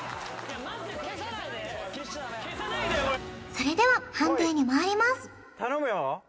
それでは判定にまいります頼むよ